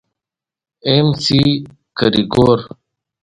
اېم سي ګرېګور.